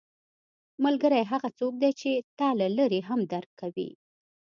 ملګری هغه څوک دی چې تا له لرې هم درک کوي